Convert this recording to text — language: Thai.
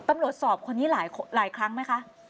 ตำรวจสอบคนนี้หลายครั้งไหมคะ